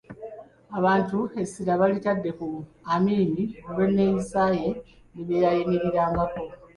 Abantu essira balitadde ku Amin olw'enneeyisa ye ne bye yayimirirangako.